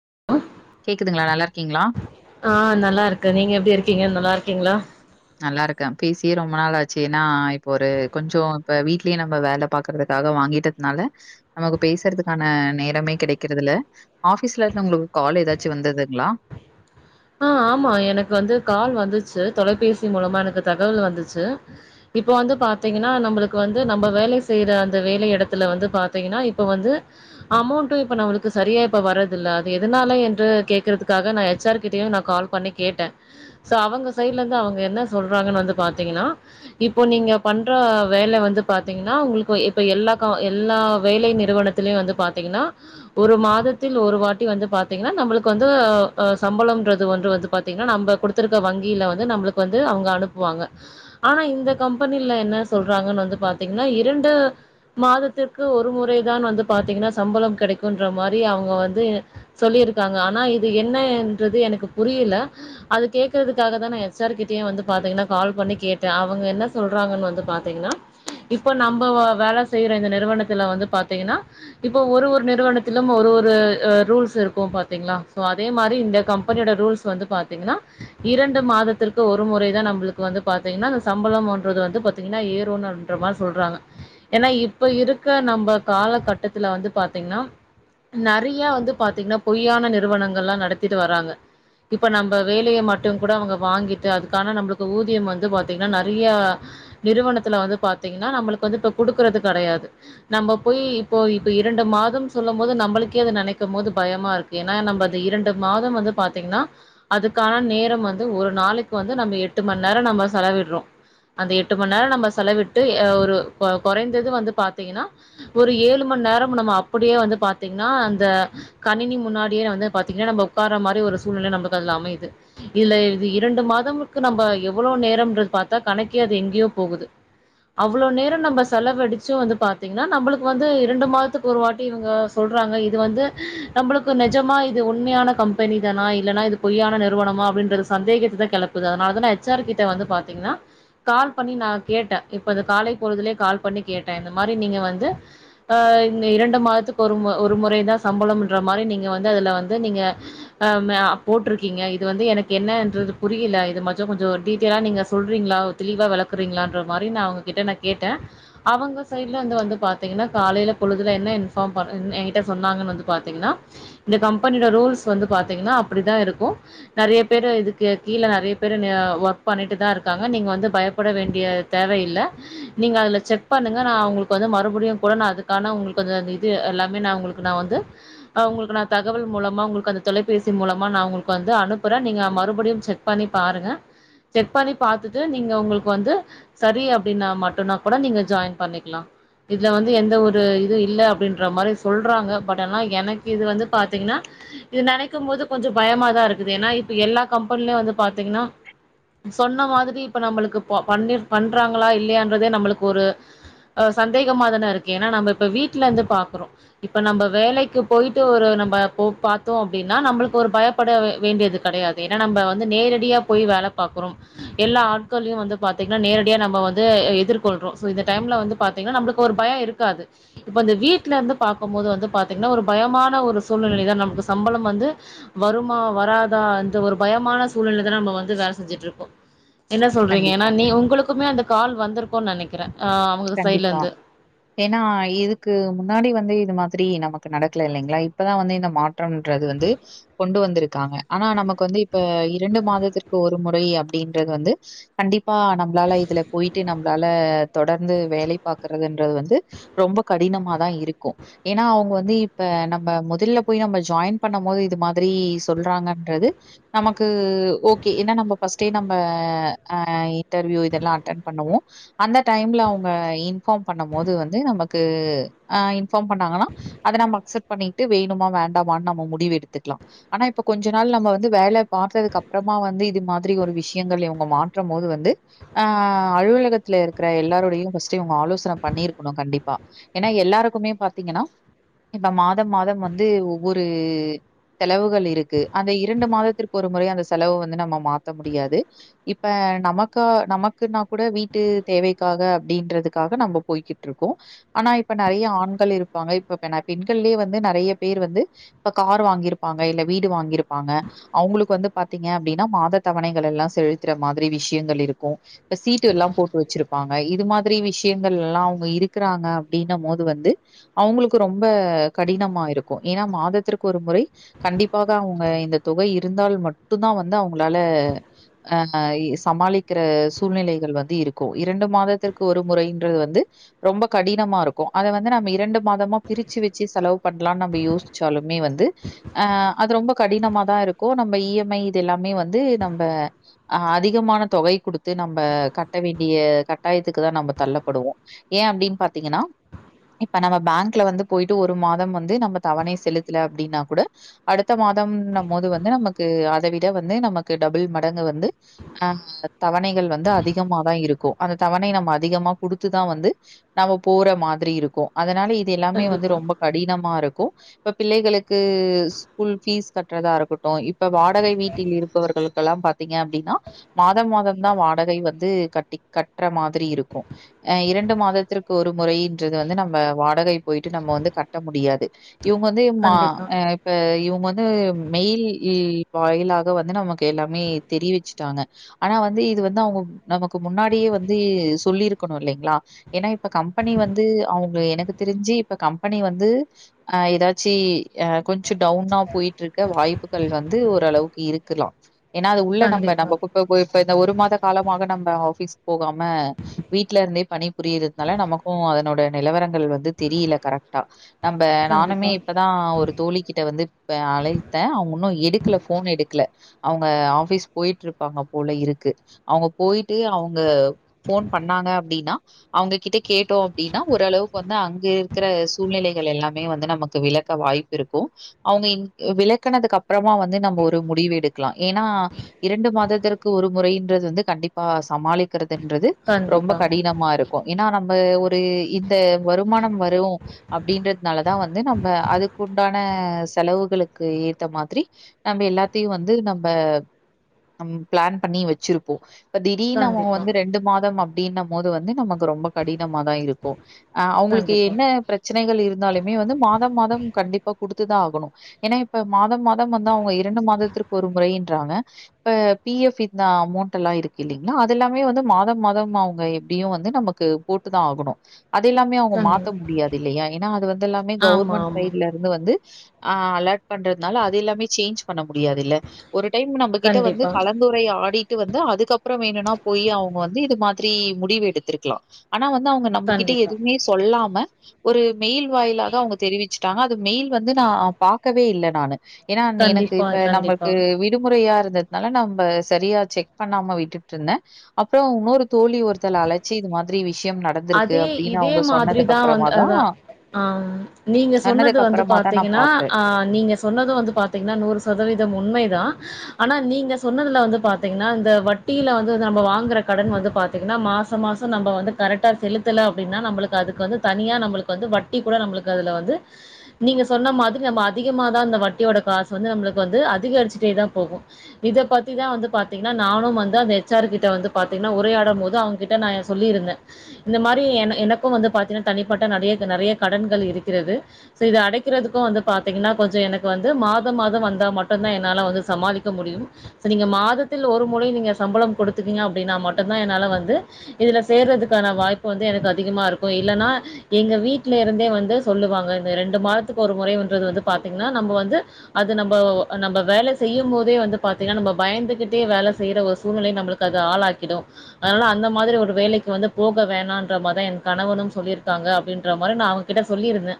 [inaudible] கேக்குதுங்களா நல்லா இருக்கீங்களா ஆஹ் நல்லா இருக்கன் நீங்க எப்படி இருக்கீங்க நல்லா இருக்கீங்களா நல்லா இருக்கேன் பேசியே ரொம்ப நாள் ஆச்சு நான் இப்போ ஒரு கொஞ்சம் இப்ப வீட்லயே நம்ம வேலை பாக்குறதுக்காக வாங்கிட்டதுனால நமக்கு பேசுறதுக்கான நேரமே கிடைக்றது இல்ல ஆபீஸ்ல இருந்து உங்களுக்கு கால் ஏதாச்சும் வந்ததுங்களா ஆஹ் ஆமா எனக்கு வந்து கால் வந்துச்சு தொலைபேசி மூலமா எனக்கு தகவல் வந்துச்சு இப்ப வந்து பாத்தீங்கன்னா நம்மளுக்கு வந்து நம்ம வேலை செய்யற அந்த வேலை இடத்துல வந்து பாத்தீங்கன்னா இப்ப வந்து அமௌண்டும் இப்ப நம்மளுக்கு சரியா இப்ப வர்றது இல்ல அது எதனால என்று கேக்குறதுக்காக நான் எச் ஆர் கிட்டையும் நான் கால் பண்ணி கேட்டேன் சோ அவங்க சைட்ல இருந்து அவங்க என்ன சொல்றாங்கன்னு வந்து பாத்தீங்கன்னா இப்ப நீங்க பண்ற வேலை வந்து பாத்தீங்கன்னா உங்களுக்கு இப்ப எல்லா எல்லா வேலை நிறுவனத்திலயும் வந்து பாத்தீங்கன்னா ஒரு மாதத்தில் ஒரு வாட்டி வந்து பாத்தீங்கன்னா நம்மளுக்கு வந்து சம்பளம்ன்றது ஒன்று வந்து பாத்தீங்கன்னா நம்ம குடுத்துருக்க வங்கியில வந்து நம்மளுக்கு வந்து அவங்க அனுப்புவாங்க ஆனா இந்த கம்பெனியில என்ன சொல்றாங்கன்னு வந் பாத்தீங்கன்னா இரண்டு மாதத்திற்கு ஒரு முறைதான் வந்து பாத்தீங்கன்னா சம்பளம் கிடைக்குன்ற மாதிரி அவங்க வந்து சொல்லியிருக்காங்க ஆனா இது என்ன றது எனக்கு புரியல அது கேக்குறது காக தான் நான் எச் ஆர் கிட்டயும் வந்து பாத்தீங்கன்னா நான் கால் பண்ணி கேட்டேன் அவுங்க என்ன சொல்றாங்கனு வந்து பாத்தீங்கன இப்போ நம்ப வேலை செய்யுற இந்த நிறுவனத்துல பாத்திங்கனா இப்ப ஒரு ஒரு நிறுவனத்திலும் ஒரு ஒரு ரூல்ஸ் இருக்கும் பாத்தீங்களா சோ அதே மாரி கம்பெனியோட ரூல்ஸ் வந்து பாத்தீங்கனா இரண்டு மாதத்திற்கு ஒரு முறை தான் நம்மளுக்கு வந்து பாத்தீங்கனா சம்பளம்றது வந்து பாத்தீங்கன்னா ஏறு ன்ற மாரி சொல்றாங்க ஏன்னா இப்ப இருக்க நம்ப காலகட்டத்தில வந்து பாத்தீங்கன்னா நெறய வந்து பாத்தீங்கன்னா பொய்யான நிறுவனங்கள்லாம் நடத்தி ட்டு வறாங்க இப்ப நம்ம வேலையை மட்டும் கூட அவங்க வாங்கிட்டு அதுக்கான நம்மளுக்கு ஊதியம் வந்து பாத்தீங்கன்னா நிறைய நிறுவனத்துல வந்து பாத்தீங்கன்னா நம்மளுக்கு வந்து இப்ப குடுக்கறது கிடையாது நம்ம போய் இப்போ இப்ப இரண்டு மாதம் சொல்லும் போது நம்மளுக்கே அது நினைக்கும் போது பயமா இருக்கு ஏன்னா நம்ம அது இரண்டு மாதம் வந்து பாத்தீங்கன்னா அதுக்கான நேரம் வந்து ஒரு நாளைக்கு வந்து நம்ம எட்டு மணி நேரம் நம்ம செலவிடுறோம் அந்த எட்டு மணி நேரம் நம்ம செலவிட்டு ஒரு குறைந்தது வந்து பாத்தீங்கன்னா ஒரு ஏழு மணி நேரம் நம்ம அப்படியே வந்து பாத்தீங்கன்னா அந்த கணினி முன்னாடியே வந்து பாத்தீங்கன்னா நம்ம உட்காரற மாதிரி ஒரு சூழ்நிலை நமக்கு அதுல அமையுது இதுல இரண்டு மாதம்க்கு நம்ம எவ்வளவு நேரம்ன்றது பார்த்தா கணக்க அது எங்கேயோ போகுது அவ்வளோ நேரம் நம்ம செலவடிச்சு வந்து பாார்த்தீங்கன்னா நம்மளுக்கு வந்து இரண்டு மாதத்துக்கு ஒரு வாட்டி இவங்க சொல்றாங்க இது வந்து நம்மளுக்கு நிஜமா இது உண்மையான கம்பெனி தான இல்ல்ன்னா இது பொய்யான நிறுவனமா அப்டின்ற சந்தேகத்தைதான் கிளப்புது அதனாலதான எச்ஆர் கிட்ட வந்து பாத்தீங்கன்னா கால் பண்ணி நான் கேட்டேன் இப்ப இந்த காலை பொழுதுலே கால் பண்ணி கேட்டேன் இந்த மாதிரி நீங்க வந்துஹ இரண்டு மாதத்துக்கு ஒரு முறை ஒரு முறை தான் சம்பளம்ன்ற மாதிரி நீங்க வந்து அதுல வந்து நீங்க போட்டிருக்கீங்க இது வந்து எனக்கு என்னன்றது புரியல இது மட்டும் கொஞ்சம் டீட்டெய்லா நீங்க சொல்றீங்களா தெளிவா விளக்குறீங்கள மாதிரி ந அவங்க கிட்ட நான் கேட்டேன் அவங்க சைடல வந்து பாத்தீங்கன்னா காலையில பொழுதுல என்ன இன்பார்ம் என்கிட்ட சொன்னாங்கன்னு வந்து பாத்தீங்கன்னா இந்த கம்பெனியோட ரூல்ஸ் வந்து பாத்தீங்கன்னா அப்படிதான் இருக்கு நறய பேதுக்கு இதுக்கு கீழ நைய ஒர்க் பண்ணிட்டு தான் இருக்காங்க நீங்க வந்து பயப்பட வேண்டிய தேவை இல்ல நீங்கதுல செக் பண்ணுங்கங்கந்து மபடியும் கூட அதுக்கானங்களுக்கு எல்லாம உங்களுக்கு வந்து உங்களுக்கு நா தகவல் மூலமா உங்களுக்கு தொலைபேசி மூலமா நா உங்குளுக்கு வந்து அனுப்புறே நீங்க மறுபுடியும் செக் பண்ணி பாருங்க செக் பண்ணி பாத்துட்டு நீங்க உங்குளுக்கு வந்து சரி அப்டின்னா மட்டுன்னா கூட நீங்க ஜாயின் பண்ணிக்லா இதுல வந்து எந்த ஒரு இது இல்ல அப்டின்ற மாரி சொல்றாங்க பட் ஆனா எனக்கு இது வந்து பாத்தீங்கின்னா இது நெனைக்கும் போது கொஞ்சம் பயமாதா இருக்குது ஏன்னா இப்ப எல்லா கம்பெனிலயும் வந்து பாத்தீங்கின்னா ம் சொன்ன மாதுரி இப்ப நம்மளுக்கு ப பண்ணிற் பண்றாங்களா இல்லையறதே நம்மளுக்கு ஒரு அ சந்தேகமா தானே இருக்கு ஏன்னா நம்ப இப்ப வீட்லந்து பாக்குறோ இப்ப நம்ப வேலைக்கு போயிட்டு ஒரு நம்ப போ பாத் த்தோ அப்டின்னா நம்புளுக்கு ஒரு பயப்பட வே வேண்டியது கடையாது ஏன்னா நம்ப வந்து நேரடியா போய் வேல பாக்குறோம் எல்லா ஆட்கள்ளயும் வந்து பாத்தீங்கன்னா நேரடியா நம்ம வந்து அ எதிர்கொள்றோ சோ இந்த டைம்ல வந்து பாத்தீங்கன்னா நம்புளுக்கு ஒரு பயோ இருக்காது இப்ப அந்த வீட்லருந்து பாக்கும்போது வந்து பாத்தீங்கன்னா ஒரு பயமான ஒரு சூழ்நிலை தா நம்ம ஸ் சம்பளம் வந்து வருமா வராதா இந்த ஒரு பயமான சூழ்நிலை தான நம்ம வந்து வேல செஞ்சுட்ருக்கோ என்ன சொல்றீங்க ஏன்னா கண்டிப்பா, நீ உங்குளுக்குமே அந்த கால் வந்துருக்கோன் நனைக்கிறே கண்டிப்பா ஏன்னா இதுக்கு முன்னாடி வந் ந்து இது மாதிரி நமக்கு நடக்க்ல இல்லைங்களா இப்பதா வந்து இந்த மாட் ட்றோன் ன்றது வந்து கொண்டு வந்துருக்காங்க ஆனா நமக்கு வந்து இப்ப இரண்டு மாதத்திற்கு ஒரு முறை அப்புடின்றது வந்து கண்டிப் ப்பா நம்புளால இதுல போயிட்டு நம்புளால தொடர் ந்து வேலை பாகறதுன்றது வந்து ரொம்ப கடினம தா இருக்கு ஏன்னா அவங்க வந்து இப்ப நம்ம முதல்ல போய் நம்ம ஜாயின் பண்ணும் போது இது மாதிரி சொல்றாங்கன்றது நமக்கு ஓகே ஏன்னா நம்ம பஸ்ட்டே நம்ம ஆஹ இன்டர்வியு இதல்லா அட்டன் பண்ணுவோ அந்த டைம்ல அவங் ங்க இன்ஃபார்ம் பண்ணும் போது வந்து நமக்கு ஆ இன்பார்ம் பண்ணாங்கன்னா அத நம்ப அக்சப்ட் பண்ணிட்டு வேணுமா வேண்டாமனு நம்ம முடிவு எடுத்துக்கலா ஆனா இப்ப கொஞ்ச நாள் நம்ம வந்து வேலை பாத்ததுக்கு அப்புறமா வந்து இது மாதிரி ஒரு விஷயங்கள் இவங்க மாற்றும் போது வந்து ஆ அலுவலகத்துல இருக்கிற எல்லாரருடையு ஃபர்ஸ்ட் இவங்க ஆலோசனை பண்ணிருக்கணு கண்டிப்பா ஏன்னா எல்லாருக்குமே பாத்தீங்கன்னா இந்த மாத மாதம் வந்து ஒவ்வொரு செலவுகள் இருக்கு அந்த இரண்டு மாதத்திற்கு ஒரு முறை அந்த செலவு வந்து நம்ம மாத்த முடியாது இப்ப நமக்க நமக்குன்னா கூட வீட்டு தேவைக்காக அப்டின்றதுக்காக நம்ப போய்கிட்டு இருக்கோ ஆனா இப்ப நெறைய ஆண்கள் இருப்பாங்க இப்ப பென பெண்கள்ளலயே வந்து நெறைய பேர் வந்து இப்ப கார் வாங்கிருப்பாங்க இல்ல வீடு வாங்கிருப்பாங்க அவங்களுக்கு வந்து பாத்தீங்க அப்டின்னா மாத தவணைகள் எல்லா செலுத்துற மாரி விஷயங்கள் இருக்கு இப்ப சீட்டு எல்லா போட்டு வெச்சிருப்பாங்க இது மாதிரி விஷயங்கள் எல்லா அவங்க இருக்கிறாங்க அப்டின்ன போது வந்து அவங்களுக்கு ரொம்ப கடினமா இருக்கு ஏன்னா மாதத்திற்கு ஒரு முறை கண்டிப்பாக அவங்க இந்த தொகை இருந்தால் மட்டும் தா வந்து அவங்களால அஹ் சமாளிக்கிற சூழ்நிலைகள் வந்து இருக்கு இரண்டு மாதத்திற்கு ஒரு முறைன்றது வந்து ரொம்ப கடினமா இருக்கு அத வந்து நம்ம இரண்டு மாதமா பிரிச்சு வச்சு செலவு பண்ணலாம்னு நம்ம யோசிச்சாலுமே வந்து அஹ் அது ரொம்ப கடினமா தான இருக்கு நம்ம இ எம் ஐ இது எல்லாமே வந்து நம்ப ஹ அதிகமான தொகை கொடுத்து நம்ப கட்ட வேண்டிய கட்டாய துக்கு தா நம்ம தள்ளப்படுவோ ஏ அப்படனு பாத்தீங்கன்னா இப்ப நம்ம பேங்க்ல வந்து போயிட்டு ஒரு மாதம் வந்து நம்ம தவணை செலுத்தல அப்டின்னா கூட அடுத்த மாதம்ன்ன போது வந்து நமக்கு அதை விட வந்து நமக்கு டபள் மடங்கு வந்து ஹ தவணைகள் வந்து அதிகம தான இருக்கு அந்த [unintelligible] தவணை நம்ம அதிகமா குடுத்துதா வந்து நம்ம போற மாதிரி இருக்கு அதனால இப் இது எல்லாமே வந்து கண்டிப்பா ரொம்ப கடினமா இருக் கு இப்ப பிள்ளைகளுக்கு ஸ்கூல் பீஸ் கட்டுறதா இருக்கட்டு இப்ப வாடகை வீட்டில் இருப்பவர்களுக்கெல்லா பாத்தீங்க அப்டின்னா மாதா மாதம் தா வாடகை வந்து கட்டி கட் கட்டுற மாதிரி இருக்கு அஹ் இரண்டு மாதத்திற்கு ஒரு முறை இன்றது வந்து நம்ம வாடகை போயிட்டு நம்ம வந்து கட்ட முடியாது இவங்க வந்து ம கண்டிப்பா அஹ இப்ப இவங்க வந் து மெயில் ல் வாயிலாக வந்து நமக்கு எல்லாமே தெரிவிச்சுட்டாங்க ஆனா வந்து இது வந்து அவங்க நமக்கு முன்னாடியே வந் ந்து சொல்லிருக்கணு இல்லைங்களா ஏன்னா இப்ப கம்பெனி வந்து அவங்க எனக்கு தெரிஞ்சு இப்ப கம்பெனி வந்து அஹ் எதாச்சு அஹ் கொஞ்ச டவுனா போயிட்டுருக்க வாய்ப்புகள் வந்து ஓரளவுக்கு இருக்கலா ஏன்னா அது உள்ள நம்ம கண்டிப்பா நம்ம [unintelligible] ந்த ஒரு மாத காலமாக நம்ப ஆஃபிஸ் போகாம வீடல இருந்தே பணி புரியறதுனால நமக்கு அதனோட நிலவரங்கள் வந்து தெரியல கரெக்டா நம்ப நானுமே கண்டிப்பா இப்பதா ஒரு தோழி கிட்ட வந்து இப்ப அலைத்த அவங்க உன்னு எடுக்கல ஃபோன் எடுக்கல அவங்க ஆஃபீஸ் போயிட்டு இருப்பாங்க போல இருக்கு அவங்க போயிட்டு அவங் ங்க ஃபோன் பண்ணாங்க அப்டினா அவங்க கிட்ட கேட்டோ அப்டின்னா ஓரளவுக்கு வந்து அங்க இருக்கிற சூழ்நிலைகள் எல்லாமே வந்து நமக்கு விளக்க வாய்ப்பு இருக்கு அவங்க ங் விளக்கனதுக்கு அப்புறமா வந்து நம்ம ஒரு முடிவு எடுக்கலா ஏன்னா இரண்டு மாதத்திற்கு ஒரு முறைன்றது வந்து கண்டிப்பா சமாளிக் ன்றது ரொம்ப கண்டிப்பா கடினமா இருக்கு ஏன்னா நம்ப ஒரு இந்த வருமானம் வரு அப்டின்றதுனாலதா வந்து நம்ப அதுக்குண்டான செலவுகளுக்கு ஏத்த மாதிரி நம்ப எல்லாத்தையும வந்து நம்ப நம் பிளான் பண்ணி வச்சிருப்போ திடீர்னு நம கண்டிப்பா வந் மாதம் அப்டின்னம்போது வந்து நமக்கு ரொம்ப கடினமா தா இருக்கு அஹ் அவங்களுக்கு கண்டிப்பா என்ன பிரச்சனைகள் இரு ந்தாலுமே வந்து மாதம் மாதம் கண்டிப்பா குடுத்துதா ஆகணு ஏனா இப்ப மாதம் மாதம் வந்து அவங்க இரண்டு மாதத்திற்கு ஒரு முறை இன்றாங்க இப்ப பி எஃப் இந்த அமௌண்ட் எல்லா இருக்கு இல்லிங்களா அதெல்லா பையுமே வந்து மாதம் மாதம் அவங்க எப்டியு வந்து நம்பக்கு போட்டுதா ஆகணு அது எல்லாமே அவங்க கண் மாத்த முடியாது இல்லையா ஏன்னா அது வந்து எல்லாமே ஆமா கவுர்மெண்ட் ஆமா சைட்ல இருந்து வந்து ஆஹ் அலாட் பண்றதுனால அது எல்லாமே சேஞ்ச் பண்ண முடியாது இல்ல ஒரு டைம் நம்ப கிட்ட வந்து கண்டிப்பா கலந்துரைய ஆடி டு வந்தா அதுக் அப்புற வேணுனா போய் அவங்க வந்து இது மாதிரி முடிவு எடுத்திருக்கலா அ னா வந்து அவங்க நம்பகிட்ட கண்டிப்பா எதுவுமே சொல்லாம ஒரு மெயில் வாயிலாக அவங்க தெரிவிச்சிட்டாங்க அது மெயில் வந்து நா பாக்கவே இல்ல நானு ஏன்னா எனக்கு கண்டிப்பா இப்ப கண்டிப்பா நம்பளுக்கு விடுமுறையா இருந்தது னால நம்ப செரியா செக் பண்ணாம விட்டுட்ருந்தே அப்புறோ இன்னொரு தோழி ஒருத்தல் அழச்சி இது மாதிரி விஷ் அதே இதே மாதிரிதா வந் அப்புறமா தான் அதா ஆம் நீங்க சொன்னது சொன்னதுக்கு வந்து அப்புறமா தான் நான் பாத்தீங்கன்னா பார்த்தேன். அ நீங்க சொன்னது வந்து பாத்தீங்கன்னா நூறு சதவீதம் உண்மைதா ஆனா நீங்க சொன்னதுல வந்து பாத்தீங்ன்னா இந்த வட்டியில வந்து து நம்ப வாங்குற கடன் வந்து பாத்தீங்கன்னா மாச மாசோ நம்ப வந்து கரெட் டா செலுத்தல அப்டின்னா நம்பளுக்கு அதுக்கு வந்து தனியா நம்பளுக்கு வந்து வட்டி கூட நம்பளுக்கு அதுல வந்து நீங்க சொன்ன மாதிரி நம்ப அதிகமா தா அந்த வட்டியோட காசு வந்து நம்புளுக்கு வந்து அதிகரிச்சுட்டே தா போகூ இத பத்திதா வந்து பாத்தீங்ன்னா நானும் வந்து அந்த எச்ஆர் கிட்ட வந்து பாத்தீங்ன்னா உரையாடம் போது அவுங்கிட்ட நா இ சொல்லியிருந்தே இந்த மாரி என எனக்கூ வந்து பாத்தீனா தனிப்பட்ட நறைய நறைய கடன்கள் இருக்கிறது சோ இத அடைக்கிறதுக்கூ வந்து பாத்தீங்கன்னா கொஞ்ச எனக்கு வந்து மாதம் மாதம் வந்தா மட்டுந்தா என்னால வந்து சமாளிக்க முடியும் ச நீங்க மாதத்தில் ஒரு முறை நீங்க சம்பளம் கொடுத்துடீங்க அப்டினா மட்டுந்தா என்னால வந்து இதுல சேர்றதுக் க்கான வாய்ப்பு வந்து எனக்கு அதிகமா இருக்கூ இல்லன்னா எங்க வீட்ல இருந்தே வந்து சொல்லுவாங்க இந்த ரெண்டு மாதத்துக்கு ஒரு முறைவுன்றது வந்து பாத்திங்னா நம்ப வந்து அது நம்போ வ வ நம்ப வேல செய்யும் போதே வந்து பாத்திங்கனா நம்ப பயந்துகிட்டே வேல செய்ற ஒரு சூழ்நிலயு நம்பளுக்கு அது ஆளாக்கிடு அதனால அந்த மாதிரி ஒரு வேலைக்கு வந்துப் போக வேணான்ற மார்தா என் கணவனும் சொல்லியிருக்காங்க அப்டின்ற மாரி நா அவுங்கிட்ட சொல்லிருந்தே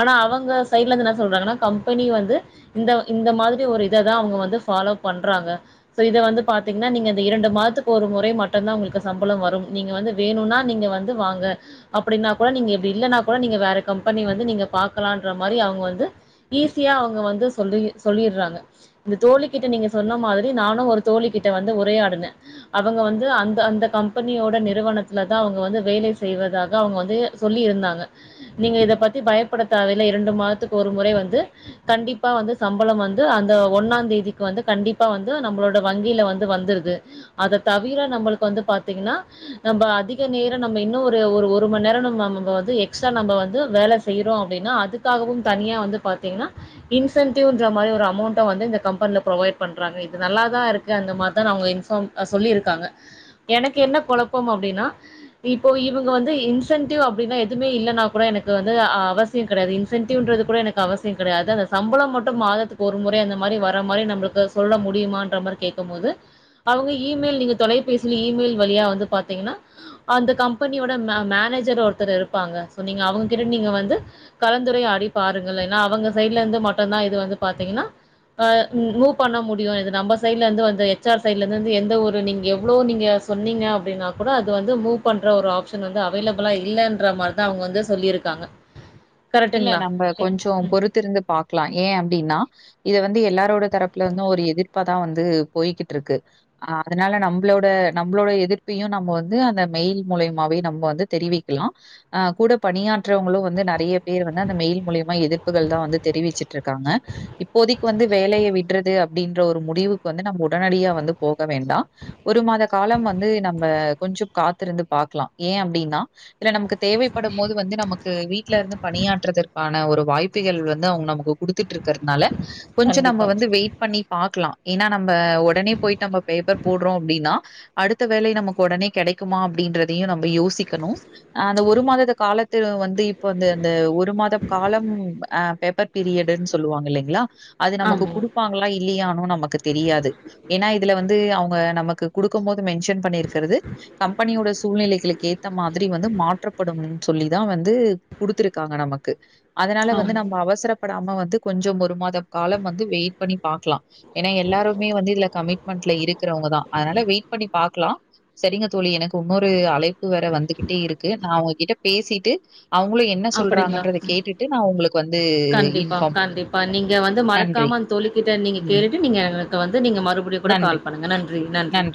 ஆனா அவுங்க சைட்லந்து என்னா சொல்றாங்கன்னா கம்பெனி வந்து இந்தவ இந்த மாதிரி ஒரு இத தா அவுங்க வந்து ஃபாலோ பண்றாங்க சோ இத வந்து பாத்தீங்ன்னா நீங்க இந்த இரண்டு மாதத்துக் ஒரு முறை மட்டுந்தா உங்ளுக்கு சம்பளோ வரும் நீங்க வந்து வேணுனா நீங்க வந்து வாங்க அப்படின்னா கூட நீங்க இப்டி இல்லன்னா கூட நீங்க வேற கம்பெனி வந்து நீங்க பாக்கலான்ற மாரி அவுங்க வந்து ஈஸியா அவுங்க வந்து சொல்லி சொல்லீர்றாங்க இந்த தோழி கிட்ட நீங்க சொன்ன மாதிரி நானு ஒரு தோழி கிட்ட வந்து உரையாடுனே அவுங்க வந்து அந்த அந்த கம்பெனியோட நிறுவனத் லதா அவுங்க வந்து வேலை செய்வதாக அவுங்க வந்து சொல்லி இருந்தாங்க நீங்க இத பத்தி பயப்பட தேவயில்ல இரண்டு மாதத்துக்கு ஒரு முறை வந்து கண்டிப்பா வந்து சம்பளம் வந்து அந்த ஒன்னாந் தேதிக்கு வந்து கண்டிப்பா வந்து நம்பளோட வங்கியில வந்து வந்துருது அத தவிர நம்பளுக்கு வந்து பாத்தீங்கன்னா நம்பத் அதிக நேர நம்ம இன்னு ஒரு ஒரு ஒரு மண் நேர நம்ம வந்து எக்ஸ்ட்ரா நம்ம வந்து வேல செய்யறோ அப்டின்னா அதுக்காகவும் தனியா வந்து பாத்தீங்ன்னா இன்சென்டிவ்ன்ற மாரி ஒரு அமௌண்ட்ட வந்து இந்த கம்பெனில ப்ரொவைட் பண்றாங்க இது நல்லா தா இருக்கு அந்த மாரி தா அவுங்க இன்ஃபார்ம் ஆ சொல்லி இருக்காங்க எனக்கு என்ன கொழப்பம் அப்டின்னா இப்போ இவுங்க வந்து இன்சென்டிவ் அப்டின்னா எதுமே இல்லன்னா கூட எனக்கு வந்து அவசியம் கெடையாது இன்சென்டிவ்ன்றது கூட எனக்கு அவசிய கெடையாது அந்த சம்பளம் மட்டும் மாதத்துக்கு ஒரு முறை அந்த மாரி வர மாரி நம்பளுக்கு சொல்ல முடியுமான்ற மாரி கேக்கம் போது அவுங்க இமெயில் நீங்க தொலைபேசியில இமெயில் வழியா வந்து பாத்தீங்கன்னா அந்த கம்பெனியோட மே மேனேஜர் ஒருத்தர் இருப்பாங்க சோ நீங்க அவங்ககிட்ட நீங்க வந்து கலந்துரையாடி பாருங்க இல்லைனா அவங்க சைட்ல இருந்து மட்டுந்தா இது வந்து பாத்தீங்கன்னா அ ம் மூவ் பண்ண முடியும் இது நம்ம சைட்ல இருந்து வந்த எச் ஆர் சைட்ல இருந்துந்து எந்த ஒரு நீங்க எவ்ளோ நீங்க சொன்னீங்க அப்டின்னா கூட அத் இது வந்து மூவ் பண்ற ஒரு ஆப்ஷன் வந்து அவைலபிளா இல்லன்ற மாரி தா அவுங்க வந்து சொல்லிருக்காங்க இல்ல நம்ப கொஞ்சோ பொறுத்திருந்து பாக்லா ஏ அப்டின்னா இத வந்து எல்லாரோட தரப்புல வந்து ஒரு எதிர்ப்பாதா வந்து போய்கிட்டு இருக்கு ஆ அதனால நம்பளோட நம்பளோட எதிர்ப்பையு நம்ம வந்து அந்த மெயில் மூலியமாவே நம்ம வந்து தெரிவிக்லா அ கூட பணியாற்றவங்களு வந்து நறையப் பேர் வேனா அந்த மெயில் மூலியமா எதிர்ப்புகள் தா வந்து தெரிவிச்சிட்டு இருக்காங்க இப்போதிக்கு வந்து வேலய விட்றது அப்டின்ற ஒரு முடிவுக்கு வந்து நம்ம உடனடியா வந்து போக வேண்டா ஒரு மாத காலம் வந்து நம்ம கொஞ்சோ காத்திருந்து பாக்லா ஏ அப்டின்னா இல்ல நமக்கு தேவைப்படும் போது வந்து நமக்கு வீட்ல இருந்து பணியாற்றதற்கான ஒரு வாய்ப்புகள் வந்து அவுங்க நமக்கு குடுத்துட்ருக்கிறதுனால கொஞ்சோ நம்ம கண்டிப்பா வந்து வெயிட் பண்ணி பாக்லா ஏன்னா ந நம்ப ஒடனே போய்ட்டு நம்ம பேப்பர் போட்றோ அப்டின்னா அடுத்த வேலை நமக்கு ஒடனே கெடைக்குமா அப்படின்றதையு நம்ம யோசிக் க்கணு ஆ அந்த ஒரு மாதத்த காலத்து வந்து இப்ப வந்து இந்த ஒரு மாத காலம் அ பேப்பர் பீரியடுன் சொல்லுவாங்க இல்லைங்களா அது நமக்கு ஆமா குடுப்பாங்களா இல்லியா நோ நமக் க்கு தெரியாது ஏன்னா இதுல வந்து அவுங் க நமக்கு குடுக்கம் போது மென்ஷன் பண்ணிருக்கிறது கம்பெனியோட சூழ்நிலைகளுக்கு ஏத்த மாதிரி வந்து மாற்றப்படும் சொல்லிதா வந்து குடுத்துருக்காங்க நமக்கு அதனால வந்து ஆமா நம்ம அவசரப் படாம வந்து கொஞ்சோ ஒரு மாத காலம் வந்து வெயிட் பண்ணி பாக்லா ஏன்னா எல்லாருமே வந்து இதுல கமிட்மெண்ட்ல இருக்கறவங்க தா அதனால வெயிட்பண்ணி பாக் க்லா சரிங்க தோழி எனக்கு இன்னொரு அழைப்பு வேற வந்துகிட்டே இருக்கு நா அவுங்ககிட்ட பேசிட்டு அவங்களும் என்ன அப்படிங்ளா சொல்றாங்கன்றத கேட்டுட்டு நான் உங்களுக்கு வந்து கண்டிப்பா இன்ஃபார்ம் பண் கண்டிப்பா நீங்க வந்து நன்றி. மறக்காம அந் தோழிக்கிட்ட நீங்க ம். கேட்டுட்டு நீங்க து நீங்க மறுபடியும் கூட நன்றி, கால் பண்ணுங்க நன்றி நன்றி